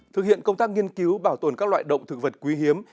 thực hiện công tác nghiên cứu bảo tồn các loại động thực vật quý hiếm